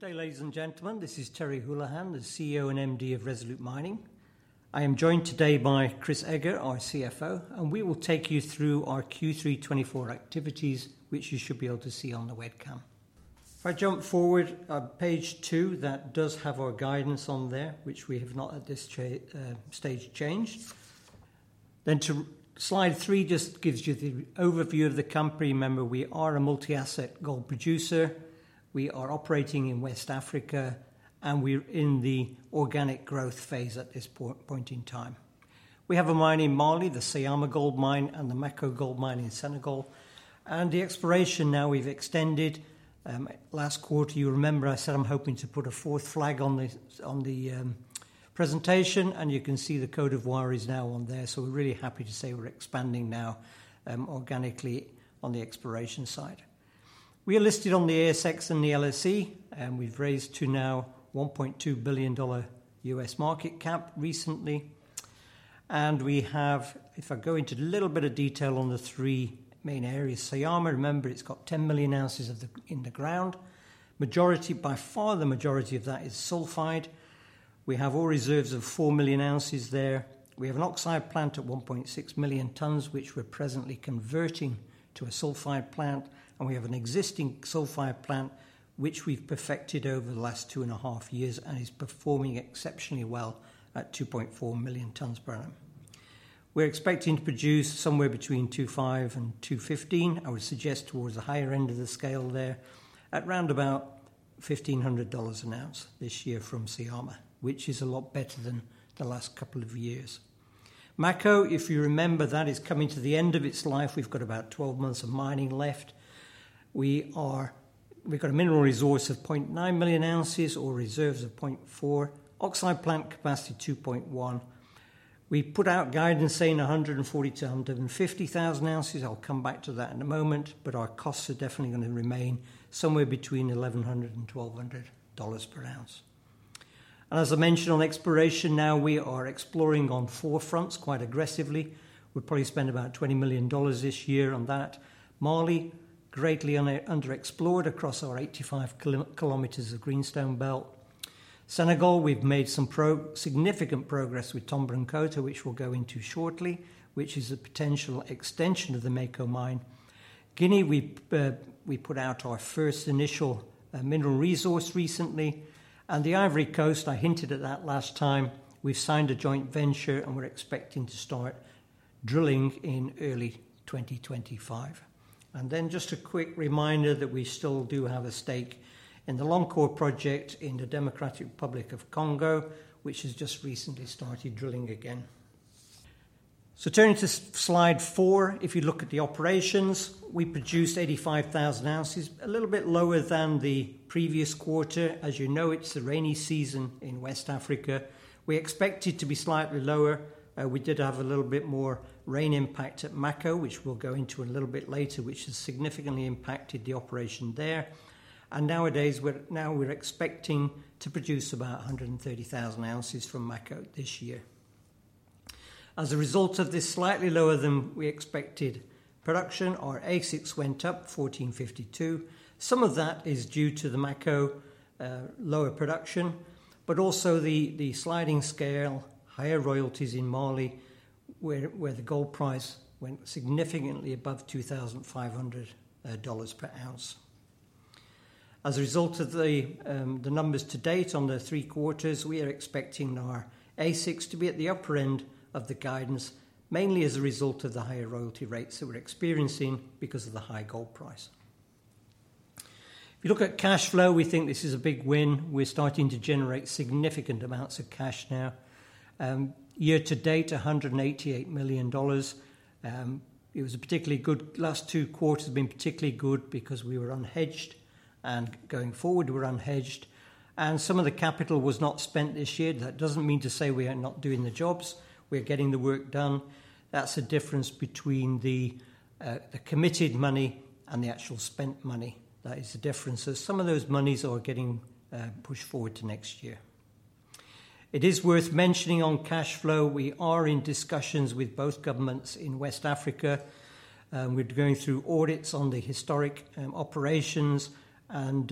Good day, ladies and gentlemen. This is Terry Holohan, the CEO and MD of Resolute Mining. I am joined today by Chris Eger, our CFO, and we will take you through our Q3 '24 activities, which you should be able to see on the webcast. If I jump forward, page two, that does have our guidance on there, which we have not, at this stage, changed. Then to slide three, just gives you the overview of the company. Remember, we are a multi-asset gold producer. We are operating in West Africa, and we're in the organic growth phase at this point in time. We have a mine in Mali, the Syama Gold Mine, and the Mako Gold Mine in Senegal, and the exploration now we've extended. Last quarter, you remember I said I'm hoping to put a fourth flag on the presentation, and you can see the Côte d'Ivoire is now on there. So we're really happy to say we're expanding now organically on the exploration side. We are listed on the ASX and the LSE, and we've raised to now 1.2 billion dollar U.S. market cap recently, and we have. If I go into a little bit of detail on the three main areas. Syama, remember, it's got 10 million ounces of gold in the ground. Majority, by far, the majority of that is sulphide. We have ore reserves of four million ounces there. We have an oxide plant at 1.6 million tons, which we're presently converting to a sulphide plant, and we have an existing sulphide plant, which we've perfected over the last two and a half years and is performing exceptionally well at 2.4 million tons per annum. We're expecting to produce somewhere between 2.5 and 2.15, I would suggest towards the higher end of the scale there, at round about 1,500 dollars an ounce this year from Syama, which is a lot better than the last couple of years. Mako, if you remember, that is coming to the end of its life. We've got about 12 months of mining left. We've got a mineral resource of 0.9 million ounces or reserves of 0.4. Oxide plant capacity, 2.1. We put out guidance saying 140-150 thousand ounces. I'll come back to that in a moment, but our costs are definitely gonna remain somewhere between 1,100 and AUD 1,200 per ounce. As I mentioned on exploration, now we are exploring on four fronts quite aggressively. We'll probably spend about 20 million dollars this year on that. Mali, greatly underexplored across our 85 km of greenstone belt. Senegal, we've made some significant progress with Tomboronkoto, which we'll go into shortly, which is a potential extension of the Mako mine. Guinea, we put out our first initial mineral resource recently. The Ivory Coast, I hinted at that last time, we've signed a joint venture, and we're expecting to start drilling in early 2025. And then just a quick reminder that we still do have a stake in the Loncor project in the Democratic Republic of the Congo, which has just recently started drilling again. So turning to slide four, if you look at the operations, we produced 85,000 ounces, a little bit lower than the previous quarter. As you know, it's the rainy season in West Africa. We expect it to be slightly lower. We did have a little bit more rain impact at Mako, which we'll go into a little bit later, which has significantly impacted the operation there. And nowadays, now we're expecting to produce about a 130,000 ounces from Mako this year. As a result of this slightly lower than we expected production, our AISC went up to 1,452. Some of that is due to the Mako lower production, but also the sliding scale, higher royalties in Mali, where the gold price went significantly above 2,500 dollars per ounce. As a result of the numbers to date on the three quarters, we are expecting our AISC to be at the upper end of the guidance, mainly as a result of the higher royalty rates that we're experiencing because of the high gold price. If you look at cash flow, we think this is a big win. We're starting to generate significant amounts of cash now. Year-to-date, AUD 188 million. Last two quarters have been particularly good because we were unhedged, and going forward, we're unhedged, and some of the capital was not spent this year. That doesn't mean to say we are not doing the jobs. We're getting the work done. That's the difference between the committed money and the actual spent money. That is the difference, so some of those monies are getting pushed forward to next year. It is worth mentioning on cash flow. We are in discussions with both governments in West Africa. We're going through audits on the historic operations, and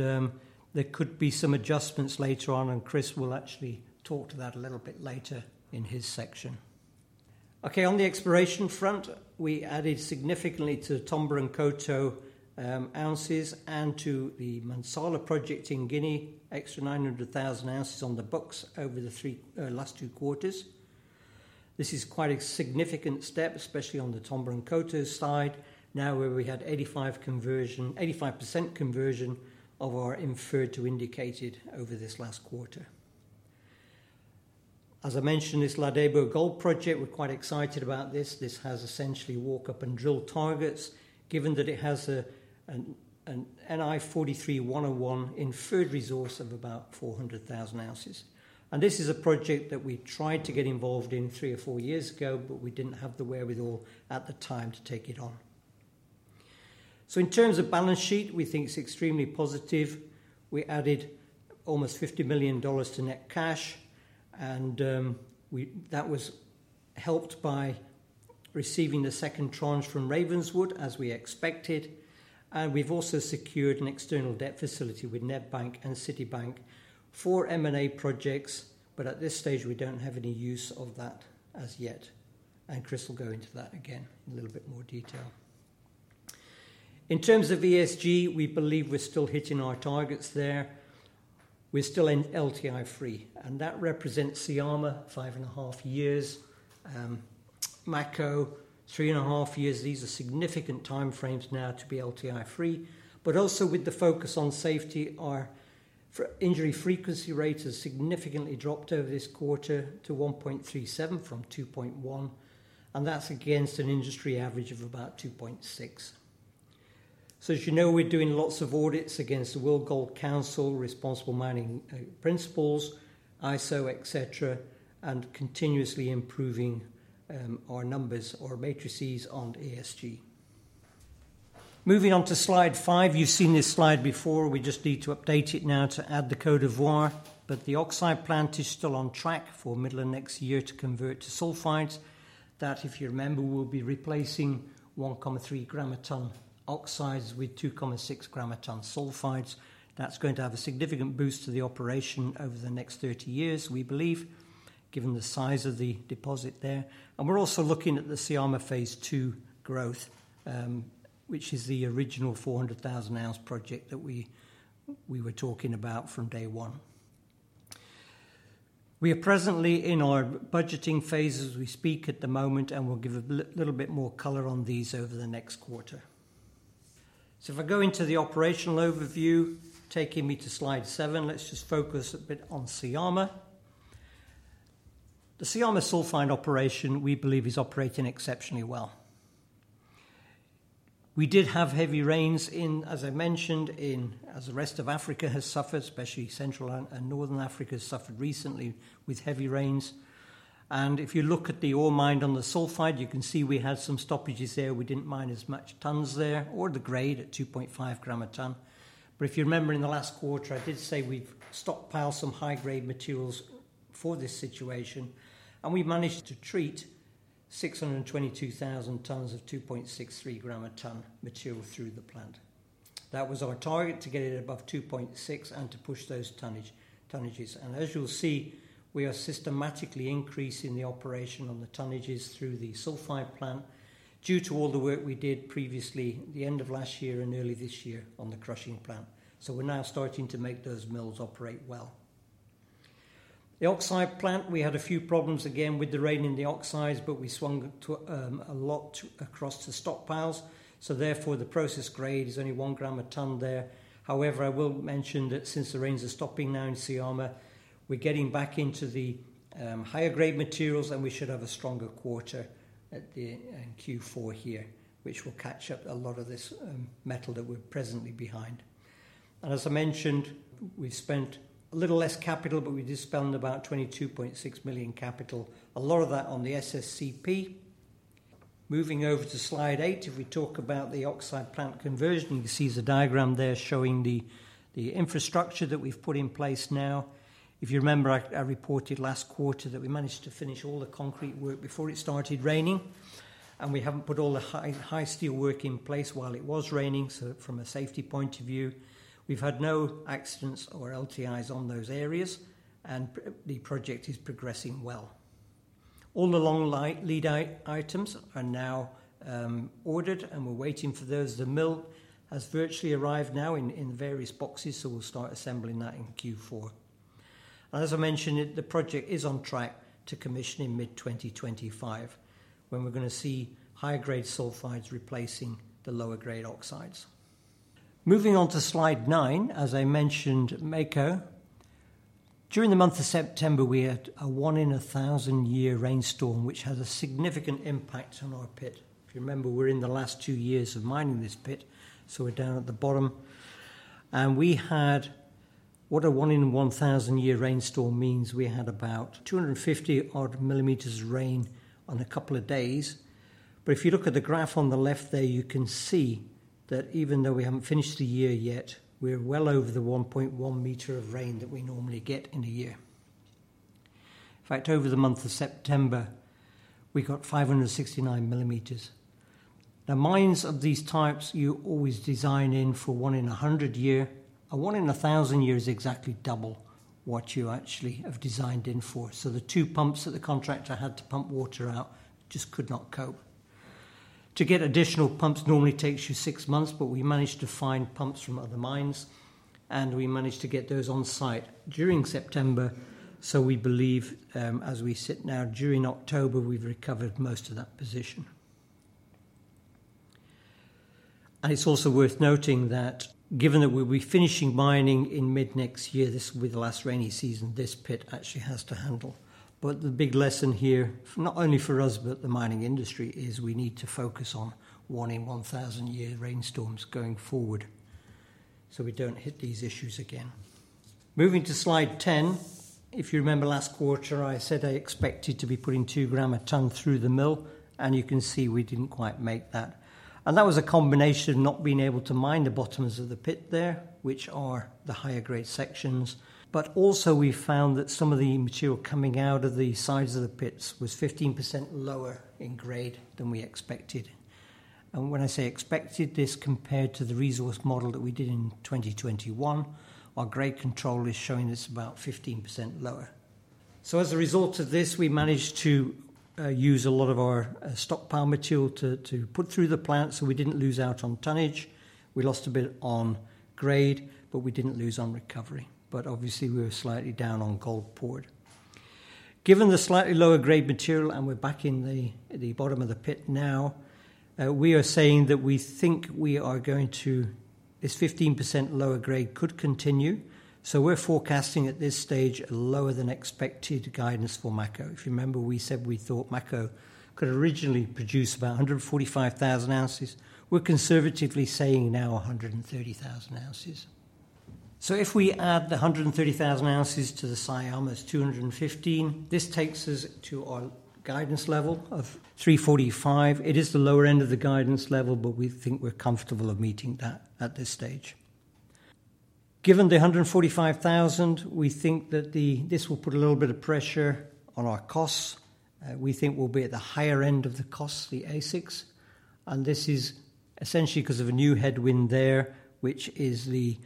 there could be some adjustments later on, and Chris will actually talk to that a little bit later in his section. Okay, on the exploration front, we added significantly to the Tomboronkoto ounces and to the Mansala Project in Guinea, extra 900,000 ounces on the books over the last two quarters. This is quite a significant step, especially on the Tomboronkoto side, now where we had 85% conversion of our inferred to indicated over this last quarter. As I mentioned, this La Debo Gold Project, we're quite excited about this. This has essentially walk-up and drill targets, given that it has an NI 43-101 inferred resource of about 400,000 ounces. This is a project that we tried to get involved in three or four years ago, but we didn't have the wherewithal at the time to take it on. In terms of balance sheet, we think it's extremely positive. We added almost 50 million dollars to net cash, and that was helped by receiving the second tranche from Ravenswood, as we expected. We've also secured an external debt facility with Nedbank and Citibank for M&A projects, but at this stage, we don't have any use of that as yet, and Chris will go into that again in a little bit more detail. In terms of ESG, we believe we're still hitting our targets there. We're still LTI-free, and that represents Syama, five and a half years, Mako, three and a half years. These are significant timeframes now to be LTI-free. Also, with the focus on safety, our injury frequency rate has significantly dropped over this quarter to 1.37 from 2.1, and that's against an industry average of about 2.6. As you know, we're doing lots of audits against the World Gold Council, Responsible Mining Principles, ISO, et cetera, and continuously improving our numbers or matrices on ESG. Moving on to slide five. You've seen this slide before. We just need to update it now to add the Côte d'Ivoire. But the oxide plant is still on track for middle of next year to convert to sulphides. That, if you remember, will be replacing 1.3 grams per ton oxides with 2.6 grams per ton sulphides. That's going to have a significant boost to the operation over the next 30 years, we believe, given the size of the deposit there. And we're also looking at the Syama Phase Two growth, which is the original 400,000-ounce project that we were talking about from day one. We are presently in our budgeting phase as we speak at the moment, and we'll give a little bit more color on these over the next quarter. So if I go into the operational overview, taking me to slide seven, let's just focus a bit on Syama. The Syama sulphide operation, we believe, is operating exceptionally well. We did have heavy rains in, as I mentioned, as the rest of Africa has suffered, especially Central and Northern Africa, has suffered recently with heavy rains. And if you look at the ore mined on the sulphide, you can see we had some stoppages there. We didn't mine as much tons there or the grade at 2.5 grams per ton. But if you remember in the last quarter, I did say we've stockpiled some high-grade materials for this situation, and we managed to treat 622,000 tons of 2.63 grams per ton material through the plant. That was our target, to get it above 2.6 and to push those tonnage, tonnages. And as you'll see, we are systematically increasing the operation on the tonnages through the sulphide plant due to all the work we did previously, at the end of last year and early this year, on the crushing plant. So we're now starting to make those mills operate well. The oxide plant, we had a few problems, again, with the rain in the oxides, but we swung to a lot across the stockpiles, so therefore, the process grade is only one gram a ton there. However, I will mention that since the rains are stopping now in Syama, we're getting back into the higher-grade materials, and we should have a stronger quarter at the, in Q4 here, which will catch up a lot of this metal that we're presently behind. As I mentioned, we've spent a little less capital, but we did spend about 22.6 million in capital, a lot of that on the SSCP. Moving over to slide eight, if we talk about the oxide plant conversion, you can see the diagram there showing the infrastructure that we've put in place now. If you remember, I reported last quarter that we managed to finish all the concrete work before it started raining, and we haven't put all the high steel work in place while it was raining. So from a safety point of view, we've had no accidents or LTIs on those areas, and the project is progressing well. All the long lead items are now ordered, and we're waiting for those. The mill has virtually arrived now in various boxes, so we'll start assembling that in Q4. As I mentioned, it, the project is on track to commission in mid-2025, when we're gonna see higher-grade sulphides replacing the lower-grade oxides. Moving on to slide nine, as I mentioned, Mako. During the month of September, we had a one-in-a-thousand-year rainstorm, which had a significant impact on our pit. If you remember, we're in the last two years of mining this pit, so we're down at the bottom. And we had what a one-in-a-thousand-year rainstorm means. We had about 250 odd millimeters of rain on a couple of days. But if you look at the graph on the left there, you can see that even though we haven't finished the year yet, we're well over the 1.1 meter of rain that we normally get in a year. In fact, over the month of September, we got 569 millimeters. Now, mines of these types, you always design in for one-in-a-hundred-year. A one-in-a-thousand-year is exactly double what you actually have designed in for. So the two pumps that the contractor had to pump water out just could not cope. To get additional pumps normally takes you six months, but we managed to find pumps from other mines, and we managed to get those on site during September. So we believe, as we sit now, during October, we've recovered most of that position. And it's also worth noting that given that we'll be finishing mining in mid-next year, this will be the last rainy season this pit actually has to handle. But the big lesson here, not only for us, but the mining industry, is we need to focus on one-in-a-thousand-year rainstorms going forward, so we don't hit these issues again. Moving to slide 10. If you remember last quarter, I said I expected to be putting two grams a ton through the mill, and you can see we didn't quite make that. And that was a combination of not being able to mine the bottoms of the pit there, which are the higher-grade sections. But also, we found that some of the material coming out of the sides of the pits was 15% lower in grade than we expected. And when I say expected, this compared to the resource model that we did in 2021, our grade control is showing us about 15% lower. So as a result of this, we managed to use a lot of our stockpile material to put through the plant, so we didn't lose out on tonnage. We lost a bit on grade, but we didn't lose on recovery. But obviously, we were slightly down on gold poured. Given the slightly lower grade material, and we're back in the bottom of the pit now, we are saying that we think we are going to this 15% lower grade could continue, so we're forecasting at this stage a lower than expected guidance for Mako. If you remember, we said we thought Mako could originally produce about 145,000 ounces. We're conservatively saying now 130,000 ounces. So if we add the 130,000 ounces to the Syama's 215,000, this takes us to our guidance level of 345,000. It is the lower end of the guidance level, but we think we're comfortable of meeting that at this stage. Given the 145,000, we think that the, this will put a little bit of pressure on our costs. We think we'll be at the higher end of the costs, the AISC, and this is essentially 'cause of a new headwind there, which is the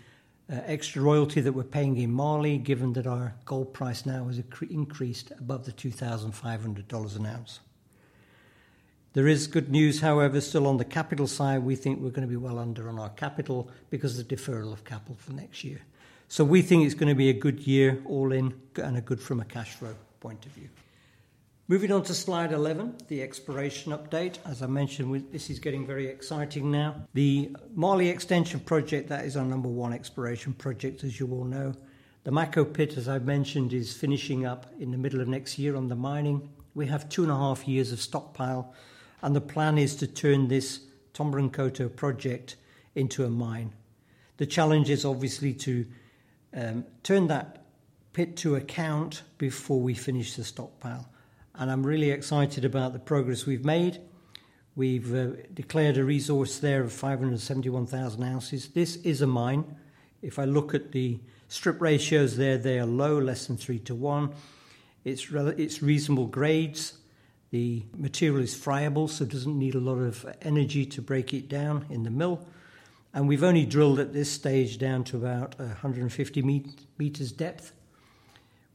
extra royalty that we're paying in Mali, given that our gold price now has increased above the 2,500 dollars an ounce. There is good news, however, still on the capital side. We think we're gonna be well under on our capital because of the deferral of capital for next year. So we think it's gonna be a good year all in and a good from a cash flow point of view. Moving on to slide 11, the exploration update. As I mentioned, this is getting very exciting now. The Mali extension project, that is our number one exploration project, as you all know. The Mako pit, as I've mentioned, is finishing up in the middle of next year on the mining. We have two and a half years of stockpile, and the plan is to turn this Tomboronkoto Project into a mine. The challenge is obviously to turn that pit to account before we finish the stockpile, and I'm really excited about the progress we've made. We've declared a resource there of 571,000 ounces. This is a mine. If I look at the strip ratios there, they are low, less than three to one. It's reasonable grades. The material is friable, so it doesn't need a lot of energy to break it down in the mill, and we've only drilled at this stage down to about a hundred and fifty meters depth.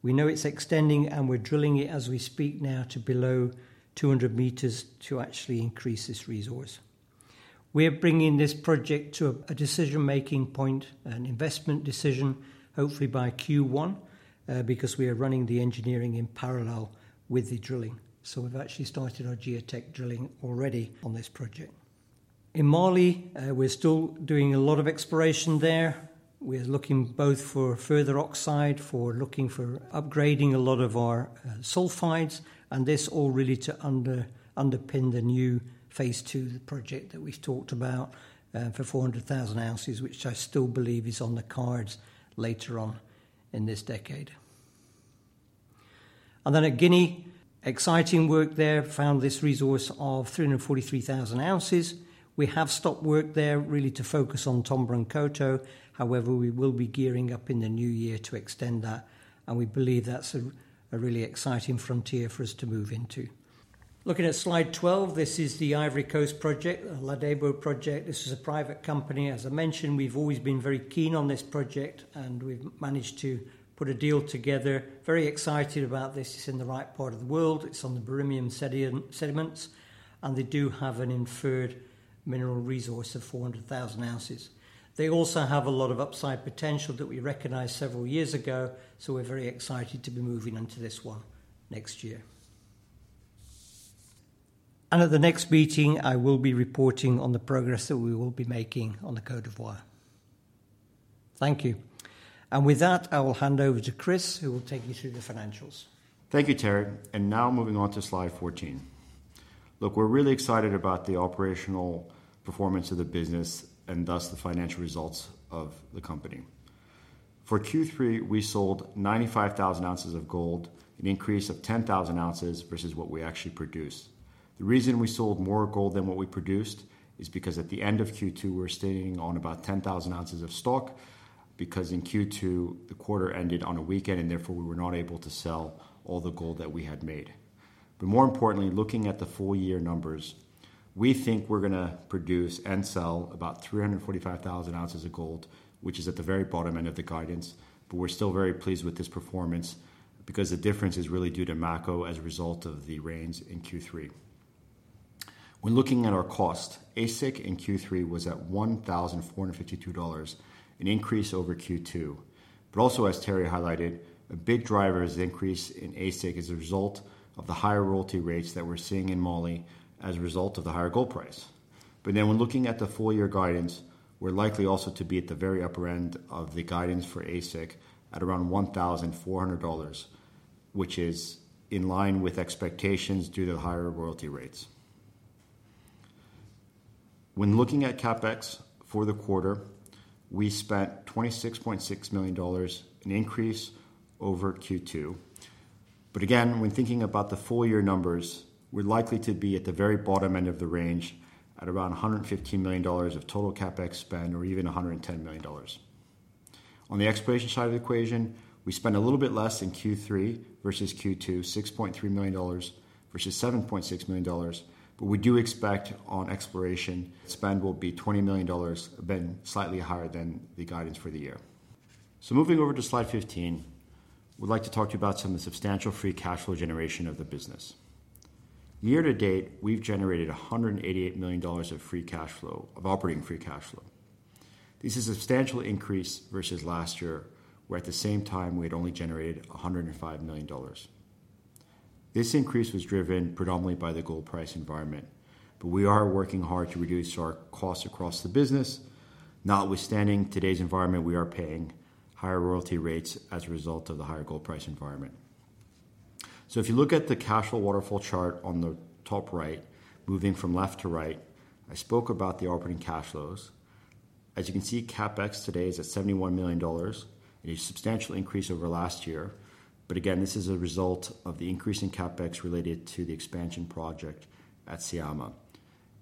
We know it's extending, and we're drilling it as we speak now to below 200 meters to actually increase this resource. We're bringing this project to a decision-making point, an investment decision, hopefully by Q1, because we are running the engineering in parallel with the drilling. We've actually started our geotech drilling already on this project. In Mali, we're still doing a lot of exploration there. We're looking both for further oxide and for looking for upgrading a lot of our sulphides, and this all really to underpin the new phase two, the project that we've talked about, for 400,000 ounces, which I still believe is on the cards later on in this decade. Then at Guinea, exciting work there, found this resource of 343,000 ounces. We have stopped work there, really to focus on Tomboronkoto. However, we will be gearing up in the new year to extend that, and we believe that's a really exciting frontier for us to move into. Looking at slide 12, this is the Ivory Coast project, the La Debo Project. This is a private company. As I mentioned, we've always been very keen on this project, and we've managed to put a deal together. Very excited about this. It's in the right part of the world. It's on the Birimian sediments, and they do have an inferred mineral resource of 400,000 ounces. They also have a lot of upside potential that we recognized several years ago, so we're very excited to be moving into this one next year. And at the next meeting, I will be reporting on the progress that we will be making on the Côte d'Ivoire. Thank you. And with that, I will hand over to Chris, who will take you through the financials. Thank you, Terry. And now moving on to slide 14. Look, we're really excited about the operational performance of the business and thus the financial results of the company. For Q3, we sold 95,000 ounces of gold, an increase of 10,000 ounces versus what we actually produced. The reason we sold more gold than what we produced is because at the end of Q2, we were staying on about 10,000 ounces of stock, because in Q2, the quarter ended on a weekend, and therefore, we were not able to sell all the gold that we had made. But more importantly, looking at the full year numbers, we think we're gonna produce and sell about 345,000 ounces of gold, which is at the very bottom end of the guidance, but we're still very pleased with this performance because the difference is really due to Mako as a result of the rains in Q3. When looking at our cost, AISC in Q3 was at 1,452 dollars, an increase over Q2. But also, as Terry highlighted, a big driver is the increase in AISC as a result of the higher royalty rates that we're seeing in Mali as a result of the higher gold price. But then when looking at the full year guidance, we're likely also to be at the very upper end of the guidance for AISC at around 1,400 dollars, which is in line with expectations due to the higher royalty rates. When looking at CapEx for the quarter, we spent 26.6 million dollars, an increase over Q2. But again, when thinking about the full year numbers, we're likely to be at the very bottom end of the range at around 115 million dollars of total CapEx spend, or even 110 million dollars. On the exploration side of the equation, we spent a little bit less in Q3 versus Q2, 6.3 million dollars versus 7.6 million dollars. But we do expect on exploration spend will be 20 million dollars, then slightly higher than the guidance for the year. So moving over to slide 15, we'd like to talk to you about some of the substantial Free Cash Flow generation of the business. Year-to-date, we've generated 188 million dollars of Free Cash Flow, of operating Free Cash Flow. This is a substantial increase versus last year, where at the same time, we had only generated 105 million dollars. This increase was driven predominantly by the gold price environment, but we are working hard to reduce our costs across the business. Notwithstanding today's environment, we are paying higher royalty rates as a result of the higher gold price environment. So if you look at the cash flow waterfall chart on the top right, moving from left to right, I spoke about the operating cash flows. As you can see, CapEx today is at 71 million dollars, a substantial increase over last year. But again, this is a result of the increase in CapEx related to the expansion project at Syama.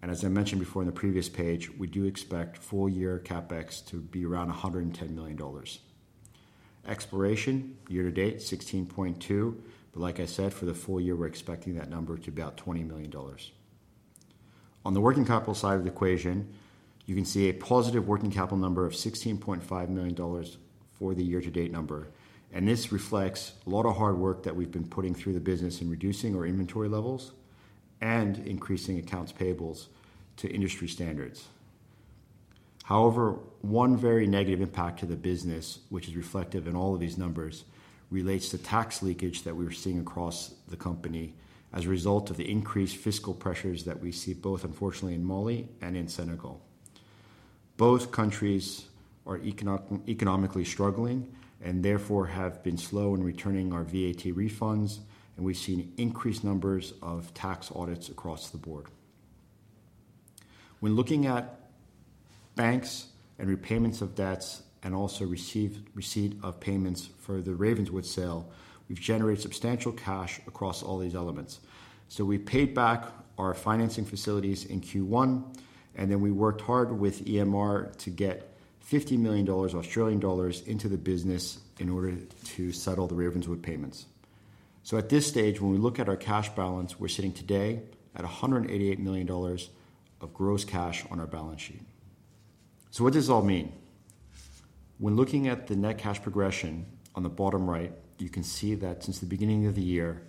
And as I mentioned before in the previous page, we do expect full year CapEx to be around 110 million dollars. Exploration, year-to-date, 16.2. But like I said, for the full year, we're expecting that number to be about 20 million dollars. On the working capital side of the equation, you can see a positive working capital number of 16.5 million dollars for the year-to-date number, and this reflects a lot of hard work that we've been putting through the business in reducing our inventory levels and increasing accounts payables to industry standards. However, one very negative impact to the business, which is reflective in all of these numbers, relates to tax leakage that we were seeing across the company as a result of the increased fiscal pressures that we see, both unfortunately in Mali and in Senegal. Both countries are economically struggling and therefore have been slow in returning our VAT refunds, and we've seen increased numbers of tax audits across the board. When looking at banks and repayments of debts, and also receipt of payments for the Ravenswood sale, we've generated substantial cash across all these elements. So we paid back our financing facilities in Q1, and then we worked hard with EMR to get 50 million Australian dollars into the business in order to settle the Ravenswood payments. At this stage, when we look at our cash balance, we're sitting today at 188 million dollars of gross cash on our balance sheet. What does this all mean? When looking at the net cash progression on the bottom right, you can see that since the beginning of the year,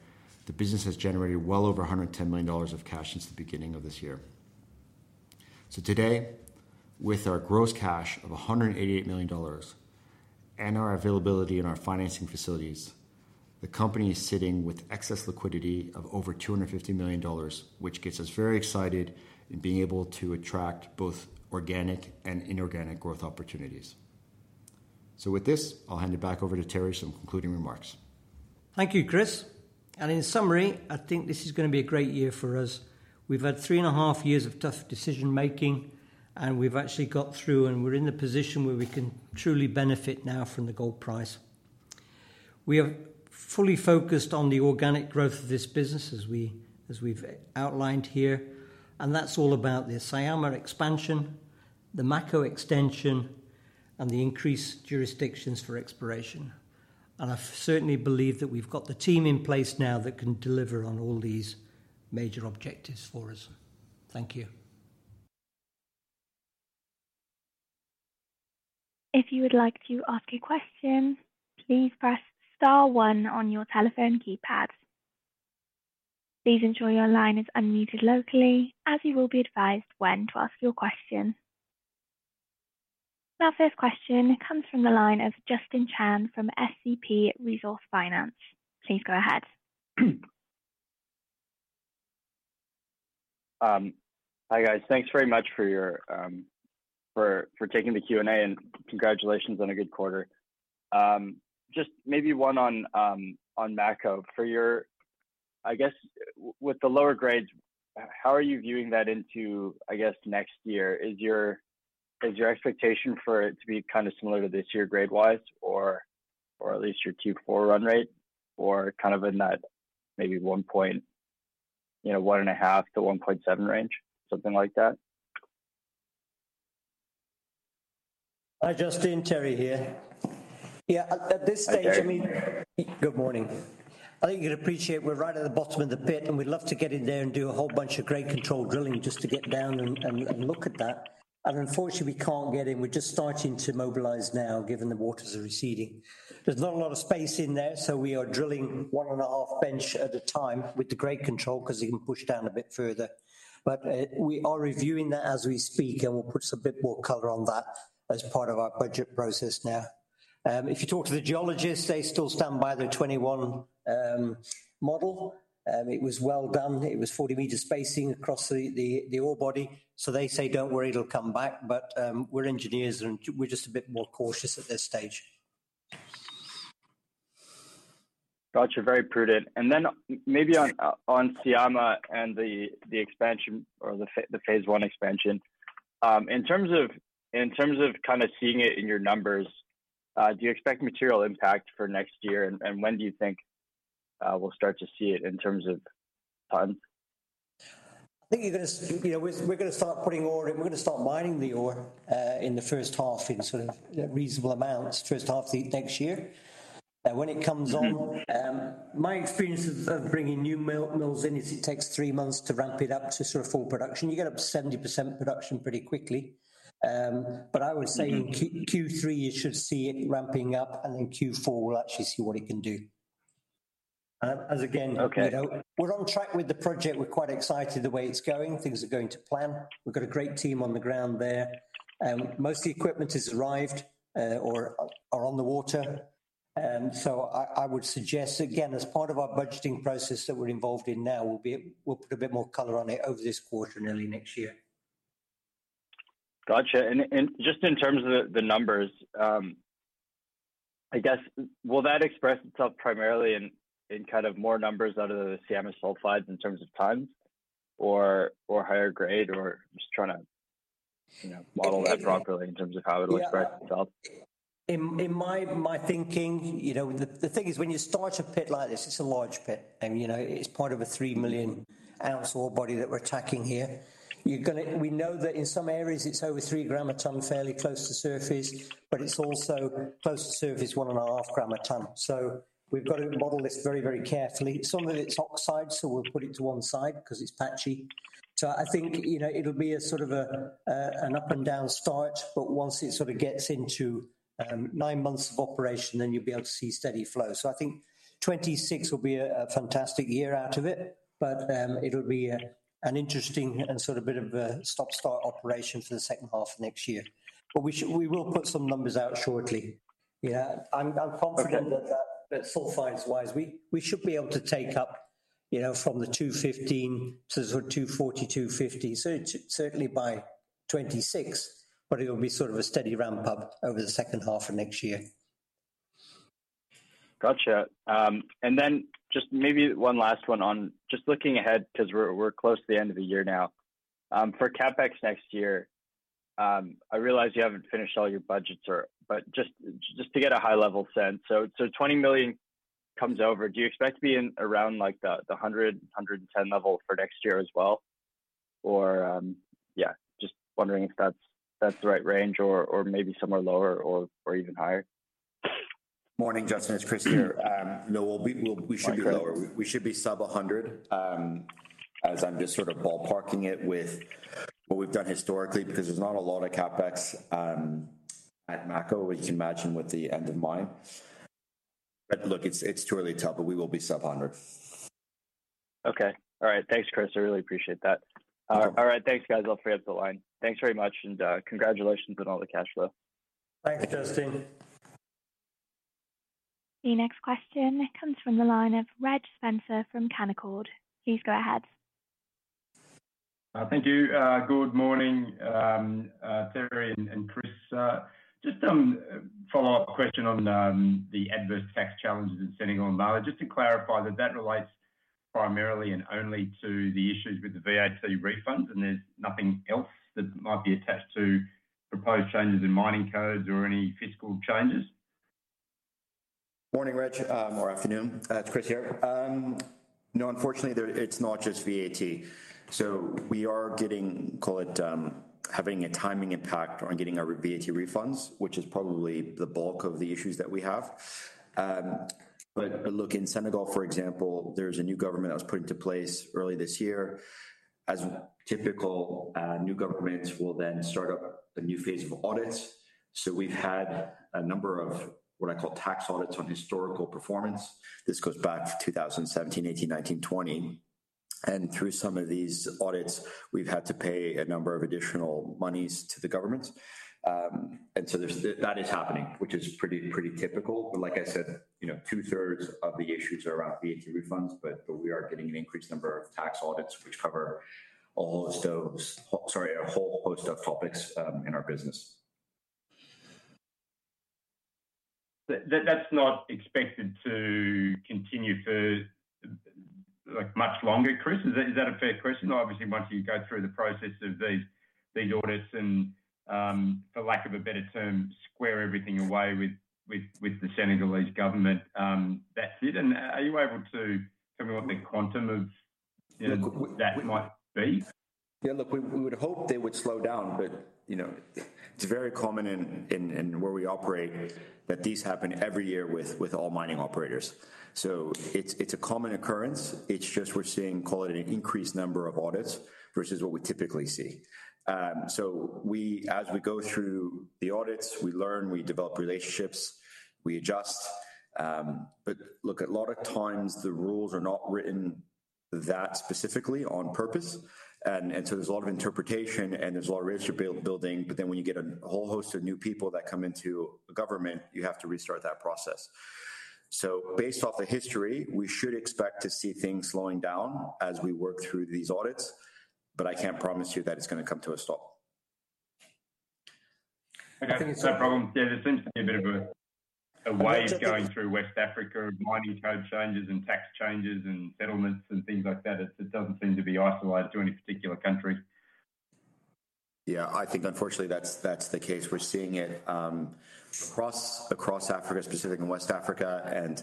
the business has generated well over 110 million dollars of cash since the beginning of this year. Today, with our gross cash of 188 million dollars and our availability in our financing facilities, the company is sitting with excess liquidity of over 250 million dollars, which gets us very excited in being able to attract both organic and inorganic growth opportunities. With this, I'll hand it back over to Terry for some concluding remarks. Thank you, Chris. In summary, I think this is gonna be a great year for us. We've had three and a half years of tough decision-making, and we've actually got through, and we're in a position where we can truly benefit now from the gold price. We are fully focused on the organic growth of this business, as we, as we've outlined here, and that's all about the Syama expansion, the Mako extension, and the increased jurisdictions for exploration. I certainly believe that we've got the team in place now that can deliver on all these major objectives for us. Thank you. If you would like to ask a question, please press star one on your telephone keypad. Please ensure your line is unmuted locally, as you will be advised when to ask your question. Our first question comes from the line of Justin Chan from SCP Resource Finance. Please go ahead. Hi, guys. Thanks very much for taking the Q&A, and congratulations on a good quarter. Just maybe one on Mako. For your... I guess, with the lower grades, how are you viewing that into, I guess, next year? Is your expectation for it to be kind of similar to this year, grade-wise, or at least your Q4 run rate, or kind of in that maybe 1.0, you know, 1.5-1.7 range, something like that? Hi, Justin. Terry here. Yeah, at this stage, I mean- Hi, Terry. Good morning. I think you'd appreciate we're right at the bottom of the pit, and we'd love to get in there and do a whole bunch of grade control drilling just to get down and look at that, and unfortunately, we can't get in. We're just starting to mobilize now, given the waters are receding. There's not a lot of space in there, so we are drilling one and a half bench at a time with the grade control, 'cause you can push down a bit further, but we are reviewing that as we speak, and we'll put a bit more color on that as part of our budget process now. If you talk to the geologists, they still stand by the 2021 model. It was well done. It was 40 meters spacing across the ore body. So they say, "Don't worry, it'll come back." But, we're engineers, and we're just a bit more cautious at this stage. Got you. Very prudent. And then maybe on Syama and the expansion or the Phase One expansion, in terms of kind of seeing it in your numbers, do you expect material impact for next year? And when do you think we'll start to see it in terms of ton?... I think you're gonna, you know, we, we're gonna start putting ore in, we're gonna start mining the ore, in the first half in sort of reasonable amounts, first half of the next year. When it comes on, my experience of bringing new mills in is it takes three months to ramp it up to sort of full production. You get up to 70% production pretty quickly. But I would say- Mm-hmm. - in Q3, you should see it ramping up, and then Q4, we'll actually see what it can do. As again- Okay. You know, we're on track with the project. We're quite excited the way it's going. Things are going to plan. We've got a great team on the ground there, and most of the equipment has arrived or are on the water. So I would suggest, again, as part of our budgeting process that we're involved in now, we'll put a bit more color on it over this quarter and early next year. Gotcha. And just in terms of the numbers, I guess, will that express itself primarily in kind of more numbers out of the Syama sulphides in terms of tons or higher grade, or just trying to, you know, model that properly in terms of how it'll express itself? Yeah. In my thinking, you know, the thing is, when you start a pit like this, it's a large pit, and, you know, it's part of a three million ounce ore body that we're attacking here. You're gonna. We know that in some areas it's over three gram a ton, fairly close to surface, but it's also close to surface, one and a half gram a ton. So we've got to model this very, very carefully. Some of it's oxide, so we'll put it to one side 'cause it's patchy. So I think, you know, it'll be a sort of a, an up and down start, but once it sort of gets into, nine months of operation, then you'll be able to see steady flow. I think 2026 will be a fantastic year out of it, but it'll be an interesting and sort of bit of a stop-start operation for the second half of next year. But we will put some numbers out shortly. Yeah, I'm confident- Okay. that sulphides-wise, we should be able to take up, you know, from the 215 to sort of 240-250. So certainly by 2026, but it will be sort of a steady ramp up over the second half of next year. Gotcha, and then just maybe one last one on just looking ahead, 'cause we're close to the end of the year now. For CapEx next year, I realize you haven't finished all your budgets or. But just to get a high-level sense. So 20 million comes over. Do you expect to be in around, like the 110 level for next year as well? Or, yeah, just wondering if that's the right range or maybe somewhere lower or even higher. Morning, Justin, it's Chris here. No, we'll be, we should be lower. Okay. We should be sub-AUD 100, as I'm just sort of ballparking it with what we've done historically, because there's not a lot of CapEx at Mako, as you can imagine, with it being an open mine. But look, it's too early to tell, but we will be sub-AUD 100. Okay. All right. Thanks, Chris. I really appreciate that. Mm-hmm. All right, thanks, guys. I'll free up the line. Thanks very much, and congratulations on all the cash flow. Thanks, Justin. The next question comes from the line of Reg Spencer from Canaccord. Please go ahead. Thank you. Good morning, Terry and Chris. Just a follow-up question on the adverse tax challenges in Senegal and Mali. Just to clarify, that relates primarily and only to the issues with the VAT refunds, and there's nothing else that might be attached to proposed changes in mining codes or any fiscal changes? Morning, Reg, or afternoon. It's Chris here. No, unfortunately, it's not just VAT. So we are getting, call it, having a timing impact on getting our VAT refunds, which is probably the bulk of the issues that we have. But look, in Senegal, for example, there's a new government that was put into place early this year. As typical, new governments will then start up a new phase of audits. So we've had a number of what I call tax audits on historical performance. This goes back to two thousand and seventeen, eighteen, nineteen, twenty, and through some of these audits, we've had to pay a number of additional monies to the governments, and so that is happening, which is pretty, pretty typical. But like I said, you know, two-thirds of the issues are around VAT refunds, but we are getting an increased number of tax audits, which cover a whole host of topics in our business. That's not expected to continue for, like, much longer, Chris? Is that a fair question? Obviously, once you go through the process of these audits and, for lack of a better term, square everything away with the Senegalese government, that's it. And are you able to tell me what the quantum of, you know, that might be? Yeah, look, we would hope they would slow down, but, you know, it's very common in where we operate, that these happen every year with all mining operators. So it's a common occurrence, it's just we're seeing, call it, an increased number of audits versus what we typically see. So we, as we go through the audits, we learn, we develop relationships, we adjust. But look, a lot of times the rules are not written that specifically on purpose, and so there's a lot of interpretation and there's a lot of relationship building, but then when you get a whole host of new people that come into government, you have to restart that process. Based off the history, we should expect to see things slowing down as we work through these audits, but I can't promise you that it's gonna come to a stop. Okay, it's no problem. There does seem to be a bit of a wave going through West Africa of mining code changes and tax changes and settlements and things like that. It doesn't seem to be isolated to any particular country.... Yeah, I think unfortunately, that's the case. We're seeing it across Africa, specifically in West Africa. And,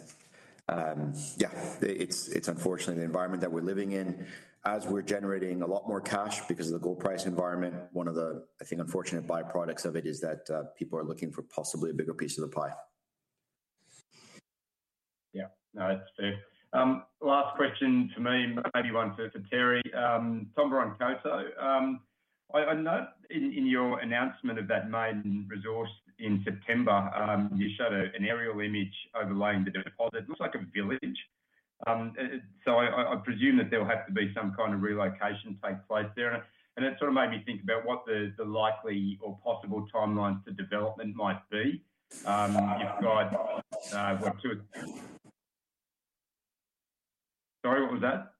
yeah, it's unfortunately the environment that we're living in. As we're generating a lot more cash because of the gold price environment, one of the, I think, unfortunate byproducts of it is that, people are looking for possibly a bigger piece of the pie. Yeah. No, that's fair. Last question for me, maybe one for Terry. Tomboronkoto, I note in your announcement of that maiden resource in September, you showed an aerial image overlaying the deposit. It looks like a village. So I presume that there will have to be some kind of relocation to take place there, and it sort of made me think about what the likely or possible timelines for development might be. If you've got what your... Sorry, what was that?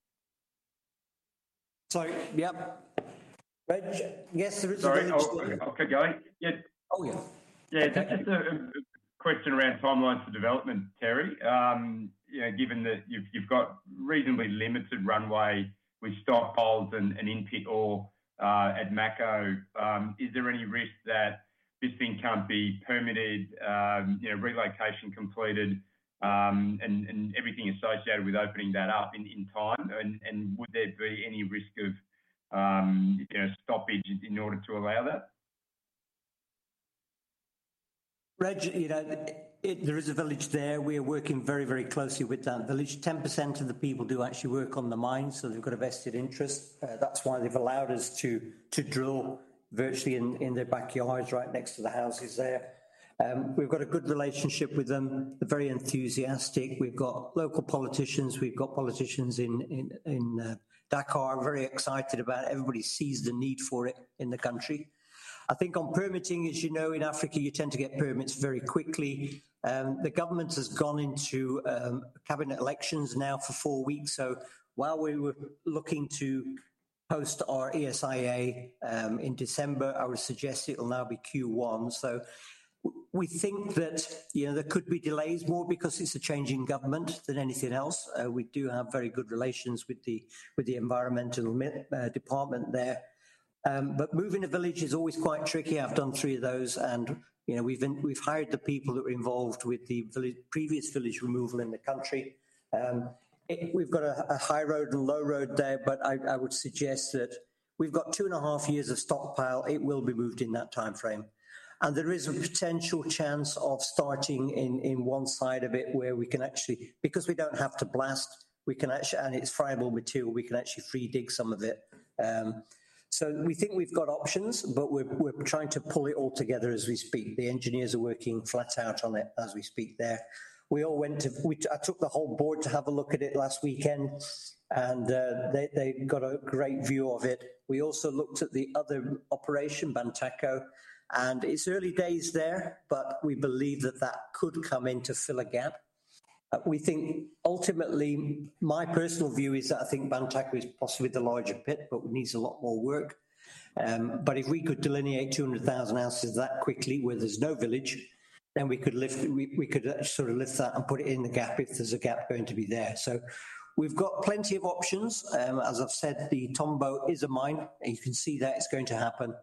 Sorry, yep. Reg, yes, there is- Sorry. I'll, I'll keep going. Yeah. Oh, yeah. Yeah. Okay. Just a question around timelines for development, Terry. You know, given that you've got reasonably limited runway with stockpiles and in-pit ore at Mako, is there any risk that this thing can't be permitted, you know, relocation completed, and everything associated with opening that up in time? And would there be any risk of, you know, stoppage in order to allow that? Reg, you know, there is a village there. We are working very, very closely with that village. 10% of the people do actually work on the mine, so they've got a vested interest. That's why they've allowed us to drill virtually in their backyards, right next to the houses there. We've got a good relationship with them. They're very enthusiastic. We've got local politicians, we've got politicians in Dakar, very excited about it. Everybody sees the need for it in the country. I think on permitting, as you know, in Africa, you tend to get permits very quickly. The government has gone into cabinet elections now for four weeks, so while we were looking to post our ESIA in December, I would suggest it'll now be Q1. So we think that, you know, there could be delays, more because it's a change in government than anything else. We do have very good relations with the environmental department there. But moving a village is always quite tricky. I've done three of those and, you know, we've hired the people that were involved with the previous village removal in the country. We've got a high road and low road there, but I would suggest that we've got two and a half years of stockpile. It will be moved in that timeframe. And there is a potential chance of starting in one side of it where we can actually. Because we don't have to blast, we can actually, and it's friable material, we can actually free dig some of it. So we think we've got options, but we're trying to pull it all together as we speak. The engineers are working flat out on it as we speak there. We all went to. I took the whole board to have a look at it last weekend, and they got a great view of it. We also looked at the other operation, Bantaco, and it's early days there, but we believe that that could come in to fill a gap. We think ultimately, my personal view is that I think Bantaco is possibly the larger pit, but needs a lot more work. But if we could delineate 200,000 ounces that quickly, where there's no village, then we could sort of lift that and put it in the gap if there's a gap going to be there. So we've got plenty of options. As I've said, the Tombo is a mine, and you can see that it's going to happen.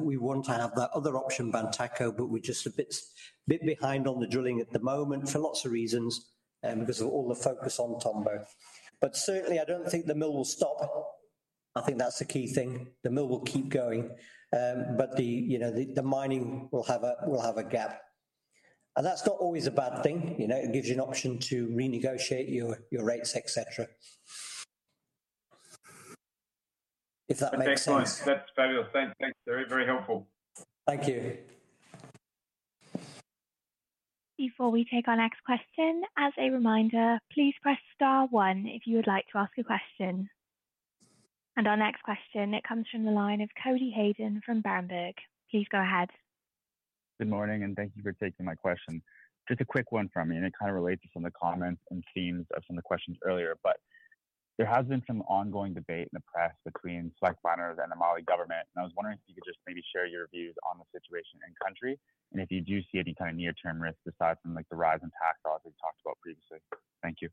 We want to have that other option, Bantaco, but we're just a bit behind on the drilling at the moment for lots of reasons, because of all the focus on Tombo. But certainly, I don't think the mill will stop. I think that's the key thing. The mill will keep going. But the, you know, the mining will have a gap. And that's not always a bad thing, you know. It gives you an option to renegotiate your rates, et cetera. If that makes sense. Excellent. That's fabulous. Thank you, very, very helpful. Thank you. Before we take our next question, as a reminder, please press star one if you would like to ask a question. And our next question, it comes from the line of Cody Hayden from Berenberg. Please go ahead. Good morning, and thank you for taking my question. Just a quick one from me, and it kind of relates to some of the comments and themes of some of the questions earlier. But there has been some ongoing debate in the press between Barrick Gold and the Mali government, and I was wondering if you could just maybe share your views on the situation in country, and if you do see any kind of near-term risks aside from, like, the rise in tax audit we talked about previously. Thank you.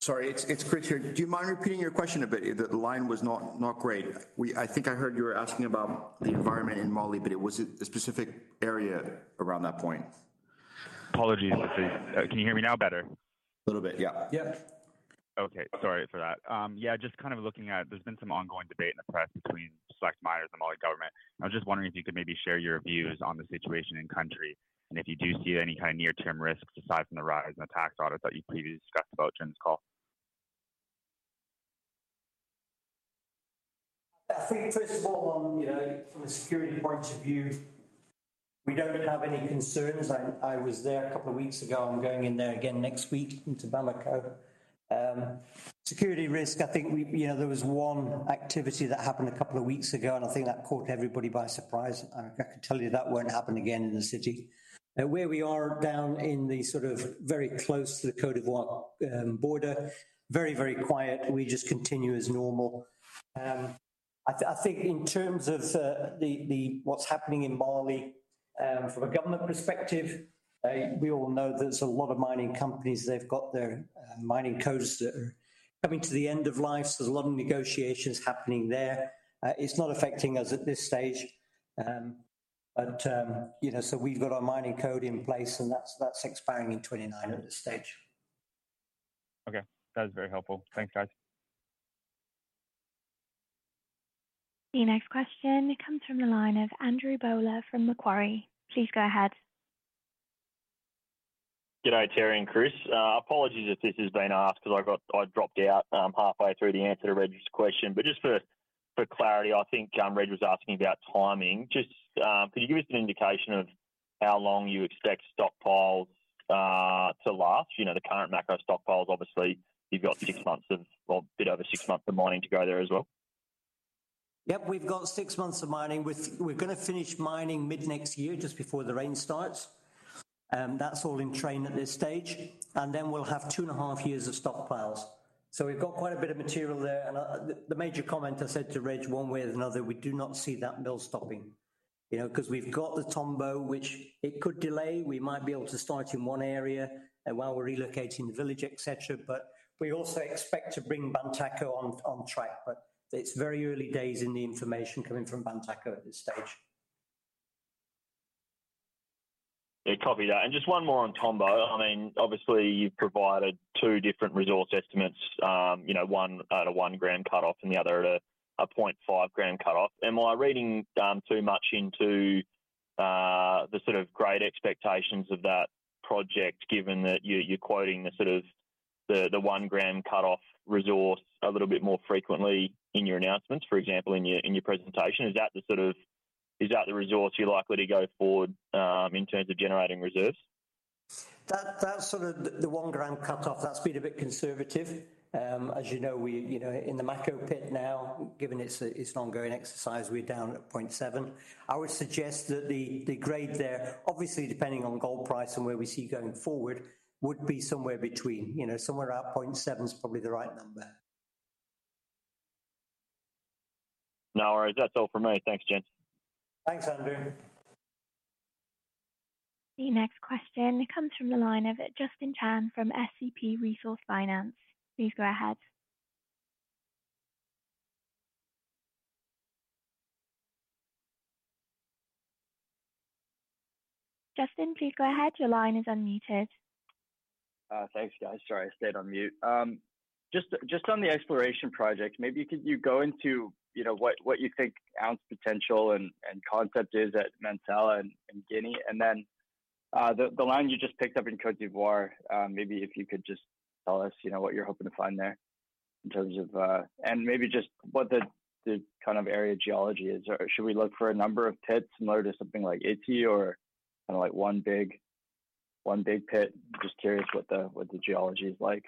Sorry, it's Chris here. Do you mind repeating your question a bit? The line was not great. I think I heard you were asking about the environment in Mali, but was it a specific area around that point? Apologies. Let's see. Can you hear me now better? A little bit, yeah. Yeah. Okay. Sorry for that. Yeah, just kind of looking at, there's been some ongoing debate in the press between Barrick Gold and Mali government. I was just wondering if you could maybe share your views on the situation in country, and if you do see any kind of near-term risks aside from the rise in the tax audits that you previously discussed about during this call. I think, first of all, on, you know, from a security point of view, we don't have any concerns. I was there a couple of weeks ago. I'm going in there again next week, into Bamako. Security risk, I think we, you know, there was one activity that happened a couple of weeks ago, and I think that caught everybody by surprise. I can tell you that won't happen again in the city. Where we are, down in the sort of very close to the Côte d'Ivoire, border, very, very quiet. We just continue as normal. I think in terms of what's happening in Mali from a government perspective we all know there's a lot of mining companies they've got their mining codes that are coming to the end of life so there's a lot of negotiations happening there. It's not affecting us at this stage, but you know so we've got our mining code in place and that's expiring in 2029 at this stage. Okay. That was very helpful. Thanks, guys. The next question comes from the line of Andrew Bowler from Macquarie. Please go ahead. G'day, Terry and Chris. Apologies if this has been asked, 'cause I dropped out halfway through the answer to Reg's question. But just for clarity, I think Reg was asking about timing. Just could you give us an indication of how long you expect stockpiles to last? You know, the current Mako stockpiles, obviously, you've got six months of, or a bit over six months of mining to go there as well. Yep, we've got six months of mining. We're gonna finish mining mid next year, just before the rain starts, that's all in train at this stage, and then we'll have two and a half years of stockpiles. So we've got quite a bit of material there, and, the major comment I said to Reg, one way or another, we do not see that mill stopping. You know, 'cause we've got the Tombo, which it could delay, we might be able to start in one area and while we're relocating the village, et cetera, but we also expect to bring Bantaco on, on track, but it's very early days in the information coming from Bantaco at this stage. Yeah, copy that. And just one more on Tomboronkoto. I mean, obviously, you've provided two different resource estimates, you know, one at a one-gram cut-off and the other at a 0.5-gram cut-off. Am I reading too much into the sort of great expectations of that project, given that you're quoting the sort of one-gram cut-off resource a little bit more frequently in your announcements, for example, in your presentation? Is that the sort of... Is that the resource you're likely to go forward in terms of generating reserves? That, that's sort of the one-gram cut-off, that's been a bit conservative. As you know, you know, in the Mako pit now, given it's an ongoing exercise, we're down at 0.7. I would suggest that the grade there, obviously depending on gold price and where we see it going forward, would be somewhere between, you know, somewhere around 0.7's probably the right number. No worries. That's all from me. Thanks, gents. Thanks, Andrew. The next question comes from the line of Justin Chan from SCP Resource Finance. Please go ahead. Justin, please go ahead. Your line is unmuted. Thanks, guys. Sorry, I stayed on mute. Just on the exploration project, maybe could you go into, you know, what you think ounce potential and concept is at Mansala in Guinea? And then, the line you just picked up in Côte d'Ivoire, maybe if you could just tell us, you know, what you're hoping to find there in terms of. And maybe just what the kind of area geology is, or should we look for a number of pits similar to something like Ity or kind of like one big pit? Just curious what the geology is like.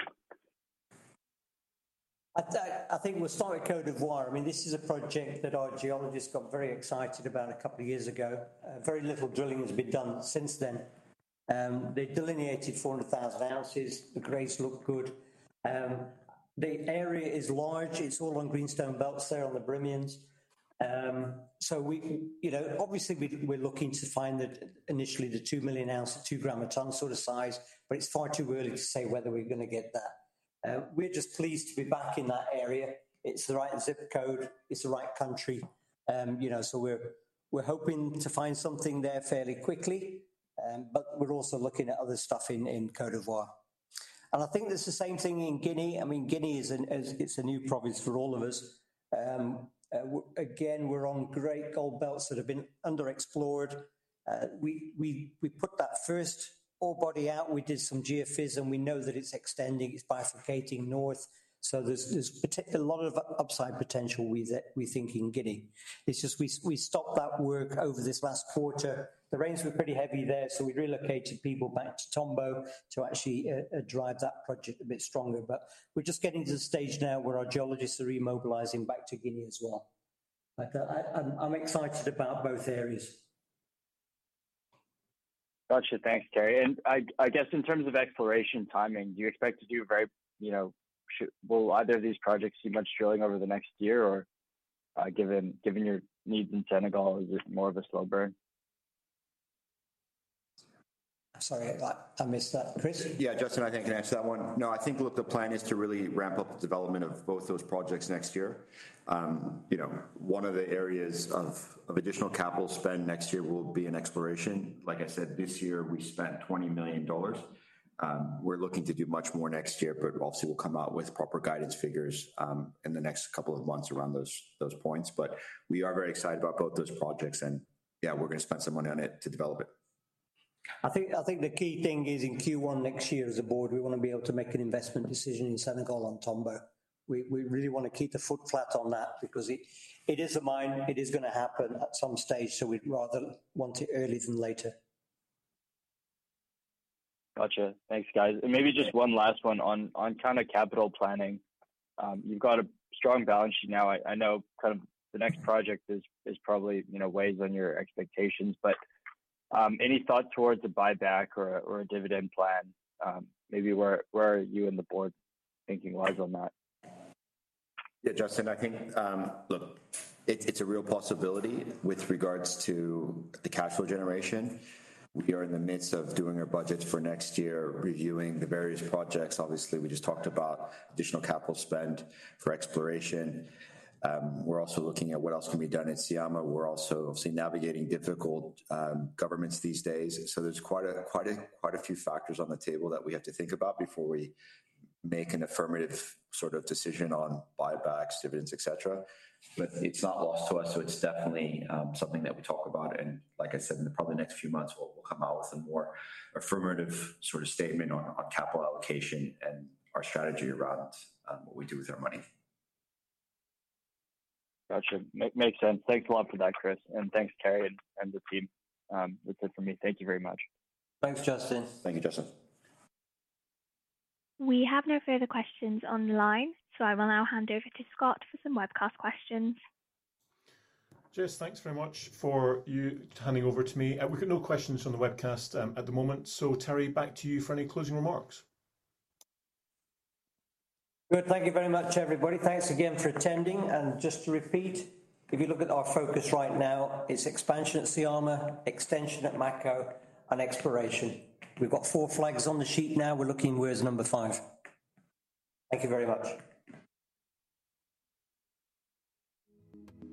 I think we'll start with Côte d'Ivoire. I mean, this is a project that our geologists got very excited about a couple of years ago. Very little drilling has been done since then. They delineated 400,000 ounces. The grades look good. The area is large, it's all on greenstone belts there on the Birimian. So we, you know, obviously, we're, we're looking to find the, initially the 2-million-ounce, 2-gram-a-tonne sort of size, but it's far too early to say whether we're gonna get that. We're just pleased to be back in that area. It's the right zip code, it's the right country. You know, so we're, we're hoping to find something there fairly quickly, but we're also looking at other stuff in, in Côte d'Ivoire. And I think there's the same thing in Guinea. I mean, Guinea is, it's a new province for all of us. Again, we're on great gold belts that have been underexplored. We put that first ore body out, and we did some geophys, and we know that it's extending, it's bifurcating north. So there's a lot of upside potential with it, we think, in Guinea. It's just we stopped that work over this last quarter. The rains were pretty heavy there, so we relocated people back to Tombo to actually drive that project a bit stronger. But we're just getting to the stage now where our geologists are remobilizing back to Guinea as well. Like, I'm excited about both areas. Gotcha. Thanks, Terry. And I guess in terms of exploration timing, do you expect to do very, you know, will either of these projects see much drilling over the next year, or given your needs in Senegal, is this more of a slow burn? Sorry, I missed that. Chris? Yeah, Justin, I think I can answer that one. No, I think, look, the plan is to really ramp up the development of both those projects next year. You know, one of the areas of additional capital spend next year will be in exploration. Like I said, this year, we spent 20 million dollars. We're looking to do much more next year, but obviously, we'll come out with proper guidance figures, in the next couple of months around those points. But we are very excited about both those projects, and yeah, we're gonna spend some money on it to develop it. I think the key thing is in Q1 next year, as a board, we wanna be able to make an investment decision in Senegal on Tombo. We really want to keep the foot flat on that because it is a mine, it is gonna happen at some stage, so we'd rather want it earlier than later. Gotcha. Thanks, guys. And maybe just one last one on kind of capital planning. You've got a strong balance sheet now. I know kind of the next project is probably, you know, weighs on your expectations, but any thought towards a buyback or a dividend plan? Maybe where are you and the board thinking-wise on that? Yeah, Justin, I think, look, it's a real possibility with regards to the cash flow generation. We are in the midst of doing our budgets for next year, reviewing the various projects. Obviously, we just talked about additional capital spend for exploration. We're also looking at what else can be done in Syama. We're also obviously navigating difficult governments these days. So there's quite a few factors on the table that we have to think about before we make an affirmative sort of decision on buybacks, dividends, et cetera. But it's not lost to us, so it's definitely something that we talk about, and like I said, in the probably next few months, we'll come out with a more affirmative sort of statement on capital allocation and our strategy around what we do with our money. Gotcha. Makes sense. Thanks a lot for that, Chris, and thanks, Terry, and the team. That's it for me. Thank you very much. Thanks, Justin. Thank you, Justin. We have no further questions on the line, so I will now hand over to Scott for some webcast questions. Jess, thanks very much for you handing over to me. We've got no questions on the webcast, at the moment, so Terry, back to you for any closing remarks. Good. Thank you very much, everybody. Thanks again for attending, and just to repeat, if you look at our focus right now, it's expansion at Syama, extension at Mako, and exploration. We've got four flags on the sheet now, we're looking where's number five. Thank you very much.